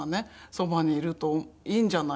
そばにいるといいんじゃないか」。